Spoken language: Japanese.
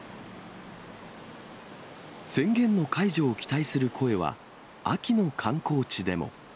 宣言の解除を期待する声は、秋の観光地でも。